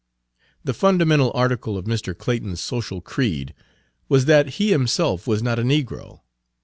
The fundamental article of Mr. Clayton's social creed was that he himself was not a negro.